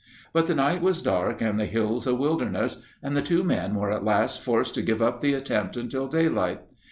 But the night was dark and the hills a wilderness, and the two men were at last forced to give up the attempt until daylight.